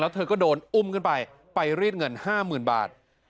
เธอก็โดนอุ้มขึ้นไปไปรีดเงิน๕๐๐๐บาท